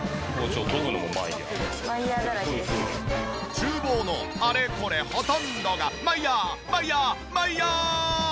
厨房のあれこれほとんどがマイヤーマイヤーマイヤー！